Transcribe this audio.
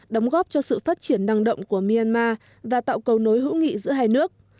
đóng góp cho sự phát triển năng động của myanmar và tạo cầu nối hữu nghị giữa hai nước